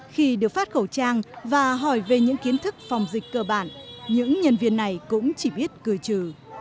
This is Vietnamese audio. khi được phát khẩu trang và hỏi về những kiến thức phòng dịch cơ bản những nhân viên này cũng chỉ biết cười trừ